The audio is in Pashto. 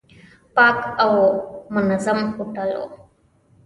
پاک او منظم هوټل و.